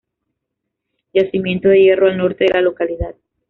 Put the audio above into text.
Yacimiento de hierro al Norte de la localidad.